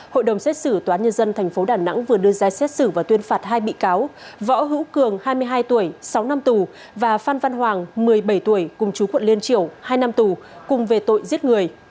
hội đồng xét xử tòa nhân dân tp đà nẵng vừa đưa ra xét xử và tuyên phạt hai bị cáo võ hữu cường hai mươi hai tuổi sáu năm tù và phan văn hoàng một mươi bảy tuổi cùng chú quận liên triều hai năm tù cùng về tội giết người